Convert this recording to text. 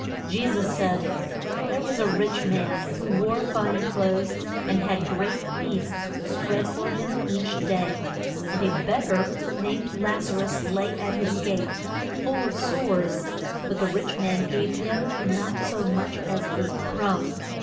Je sus said, There was a rich man, who wore fine clothes, and had great feasts spread for him each day. And a beg gar named Laz a rus lay at his gate, full of sores; but the rich man gave him not so much as a crumb.